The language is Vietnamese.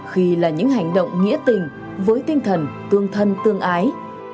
khi là những hành động nghĩa tình với tinh thần tương thân tương ái